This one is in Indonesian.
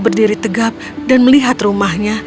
berdiri tegap dan melihat rumahnya